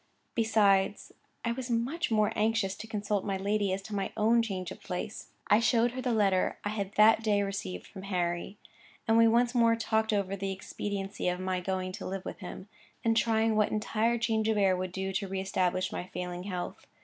Besides, I was much more anxious to consult my lady as to my own change of place. I showed her the letter I had that day received from Harry; and we once more talked over the expediency of my going to live with him, and trying what entire change of air would do to re establish my failing health.